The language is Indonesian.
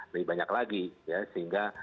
sembilan belas lebih banyak lagi ya sehingga